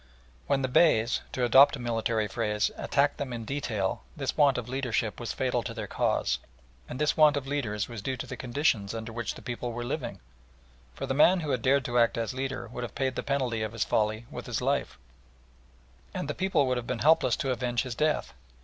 When the Beys, to adopt a military phrase, attacked them in detail this want of leadership was fatal to their cause, and this want of leaders was due to the conditions under which the people were living, for the man who had dared to act as leader would have paid the penalty of his folly with his life, and the people would have been helpless to avenge his death.